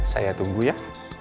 saya tunggu ya